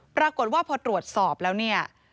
ปรากฏว่าพอตรวจสอบแล้วเนี่ย